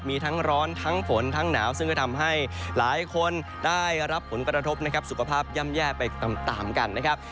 มีทั้งร้อนทั้งฝนทั้งหนาวซึ่งก็ทำให้หลายคนได้รับผลกระทบนะครับสุขภาพย่ำแย่ไปตามกันนะครับ